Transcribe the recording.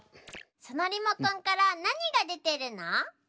そのリモコンからなにがでてるの？